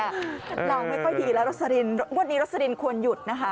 เราไม่ค่อยดีแล้วรสลินงวดนี้รสลินควรหยุดนะคะ